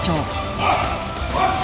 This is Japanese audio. おい！